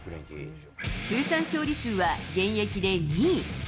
通算勝利数は現役で２位。